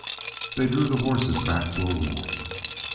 They drew the horses back to a walk.